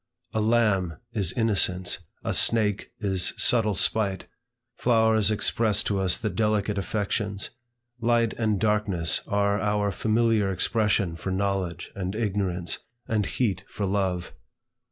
A lamb is innocence; a snake is subtle spite; flowers express to us the delicate affections. Light and darkness are our familiar expression for knowledge and ignorance; and heat for love.